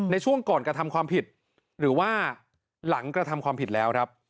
ในช่วงก่อนกระทำความผิดหรือว่าหลังกระทำความผิดแล้วครับ